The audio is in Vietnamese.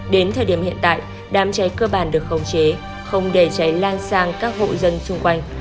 đến thời điểm hiện tại đám cháy cơ bản được khống chế không để cháy lan sang các hộ dân xung quanh